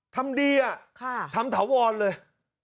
ทำดีทำถาวรเลย